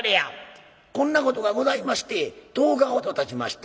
こんなことがございまして１０日ほどたちました